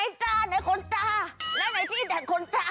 ไหนจ้าไหนขนตาและไหนที่ดัดขนตา